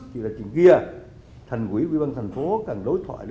chỉ là trên kia thành quỹ quỹ văn thành phố cần đối thoại